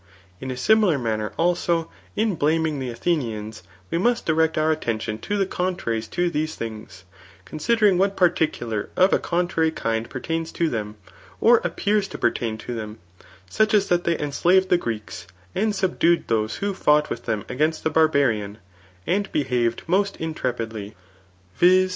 In a sioiilar nnnner, also, in blaming the Athenhns, we must direct our attention to the contraries to these things, consider ing what particular of a contrary kind pertains to them, or appears to pertain to them; such as that Aey en shvod the Greeks, and subdued those who Sotofjtkt wtth diem against die Barbarian, and behared most intrepidly, viz.